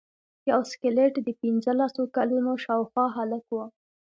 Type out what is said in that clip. یو سکلیټ د پنځلسو کلونو شاوخوا هلک و.